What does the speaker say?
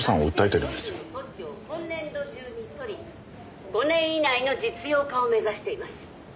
「バクテオイルの特許を本年度中に取り５年以内の実用化を目指しています」